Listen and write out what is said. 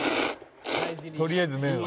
「とりあえず麺を」